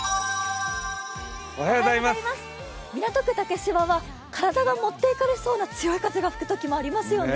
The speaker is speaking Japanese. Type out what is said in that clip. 港区竹芝は体が持っていかれそうな強い風が吹くときもありますね。